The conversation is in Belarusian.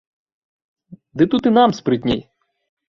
Ды тут і нам спрытней.